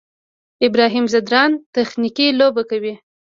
ابراهیم ځدراڼ تخنیکي لوبه کوي.